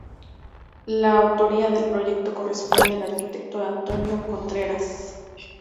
La autoría del proyecto corresponde al arquitecto Antonio Contreras.